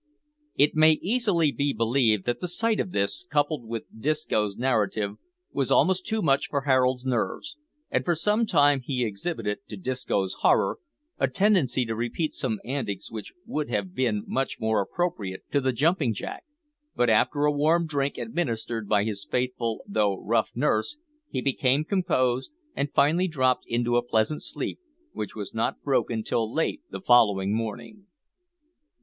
It may easily be believed that the sight of this, coupled with Disco's narrative, was almost too much for Harold's nerves, and for some time he exhibited, to Disco's horror, a tendency to repeat some antics which would have been much more appropriate to the jumping jack, but, after a warm drink administered by his faithful though rough nurse, he became composed, and finally dropped into a pleasant sleep, which was not broken till late the following morning.